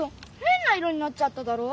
へんな色になっちゃっただろ！